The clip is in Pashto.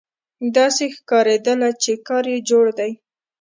داسې ښکارېدله چې کار یې جوړ دی.